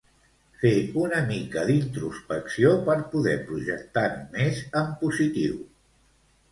Fer una mica d'introspecció per poder projectar només en positiu.